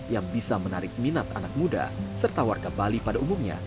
yang bisa menarik minat anak muda serta warga bali pada umumnya